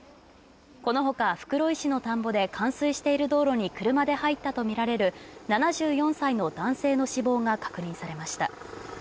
このほか、袋井市の田んぼで冠水している道路に車で入ったとみられる７４歳の男性の死亡が確認されました。